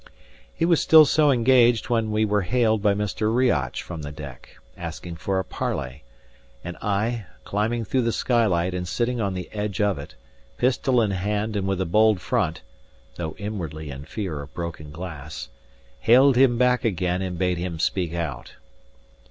He was still so engaged when we were hailed by Mr. Riach from the deck, asking for a parley; and I, climbing through the skylight and sitting on the edge of it, pistol in hand and with a bold front, though inwardly in fear of broken glass, hailed him back again and bade him speak out.